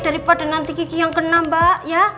daripada nanti gigi yang kena mbak ya